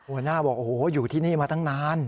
หัวหน้าบอกโอ้โหอยู่ที่นี่มาตั้งนาน